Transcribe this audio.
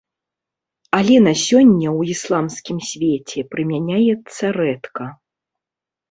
Але на сёння ў ісламскім свеце прымяняецца рэдка.